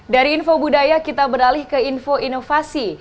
dari info budaya kita beralih ke info inovasi